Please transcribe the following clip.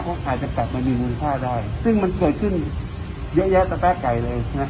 เพราะอาจจะกลับมามีมูลค่าได้ซึ่งมันเกิดขึ้นเยอะแยะตะแป๊ะไก่เลยนะ